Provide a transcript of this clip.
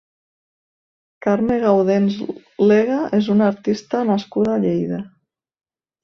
Carme Gaudens Lega és una artista nascuda a Lleida.